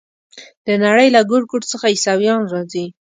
د نړۍ له ګوټ ګوټ څخه عیسویان راځي.